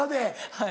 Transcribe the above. はい。